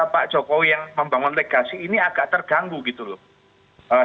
pak jokowi yang membangun legasi ini agak terganggu gitu loh